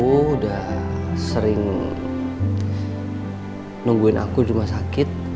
aku udah sering nungguin aku di rumah sakit